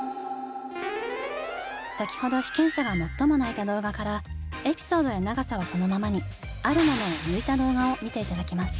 先ほど被験者が最も泣いた動画からエピソードや長さはそのままに「あるもの」を抜いた動画を見て頂きます。